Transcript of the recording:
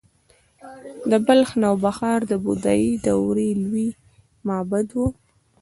د بلخ نوبهار د بودايي دورې لوی معبد و